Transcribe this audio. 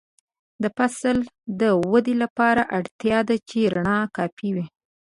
د فصل د ودې لپاره اړتیا ده چې رڼا کافي وي.